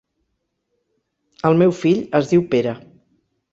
El meu fill es diu Pere.